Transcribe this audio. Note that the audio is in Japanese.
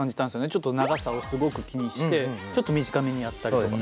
ちょっと長さをすごく気にしてちょっと短めにやったりとか。